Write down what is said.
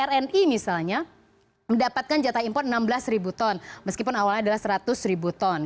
rni misalnya mendapatkan jatah impor enam belas ribu ton meskipun awalnya adalah seratus ribu ton